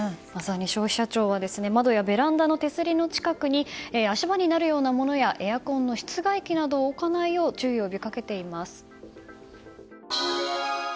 消費者庁は窓やベランダの手すりの近くに足場になるようなものやエアコンの室外機などを置かないよう注意を呼び掛けています。